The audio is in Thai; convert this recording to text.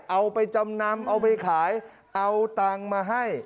เอาไปจำนำเอาไปขายเอาตังค์มาให้